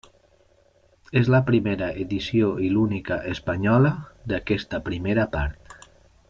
És la primera edició i l'única espanyola d'aquesta primera part.